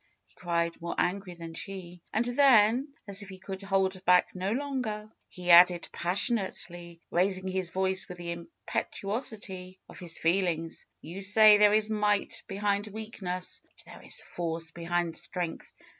he cried more angry than she. And then, as if he could hold hack no longer, he added passionately, raising his voice with the impetuosity of his feelings. ^^You say there is might behind weakness. But there is force behind strength.